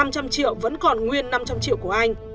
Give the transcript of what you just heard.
năm trăm linh triệu vẫn còn nguyên năm trăm linh triệu của anh